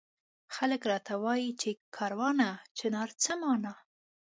خلک راته وایي چي کاروانه چنار څه مانا؟